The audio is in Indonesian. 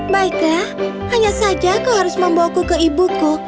baiklah hanya saja kau harus membawaku ke ibuku